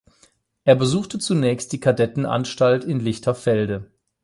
Er besuchte zunächst die Kadettenanstalt in Lichterfelde.